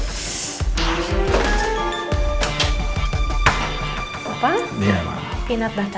pinat bahkan aja